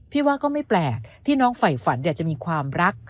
ว่าก็ไม่แปลกที่น้องไฝฝันอยากจะมีความรัก